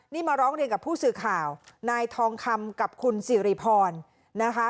นี่มาร้องเรียนกับผู้สื่อข่าวนายทองคำกับคุณสิริพรนะคะ